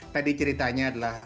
tadi ceritanya adalah